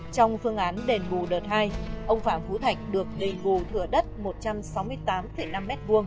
trong phương án đền bù đợt hai ông phạm phú thạch được đền bù thửa đất một trăm sáu mươi tám năm m hai